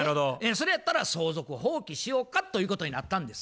それやったら相続放棄しようかということになったんです。